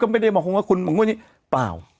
เขาไม่ได้มองว่าคุณบางอย่างนี้เปล่า